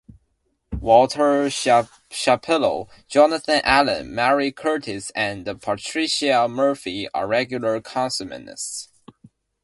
Walter Shapiro, Jonathan Allen, Mary Curtis and Patricia Murphy are regular columnists.